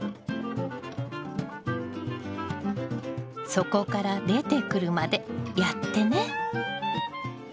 底から出てくるまでやってね。